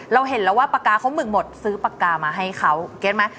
เราเห็นแล้วว่าปากกาเขาหมึกหมดซื้อปากกามาให้เขาเก็ตไหม